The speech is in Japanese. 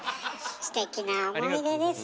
ステキな思い出ですね。